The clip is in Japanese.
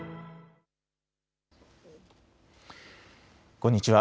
こんにちは。